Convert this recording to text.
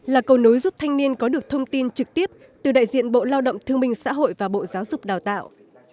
là cầu nối giúp thanh niên có được thông tin trực tiếp từ đại diện bộ lao động thương minh xã hội và bộ giáo dục đào tạo